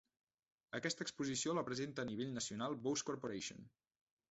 Aquesta exposició la presenta a nivell nacional Bose Corporation.